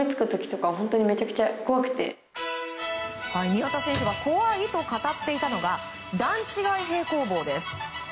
宮田選手が怖いと語っていたのが段違い平行棒です。